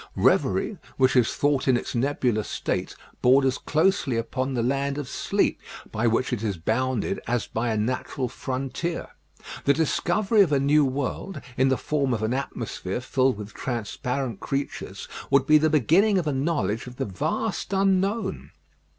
Reverie, which is thought in its nebulous state, borders closely upon the land of sleep, by which it is bounded as by a natural frontier. The discovery of a new world, in the form of an atmosphere filled with transparent creatures, would be the beginning of a knowledge of the vast unknown.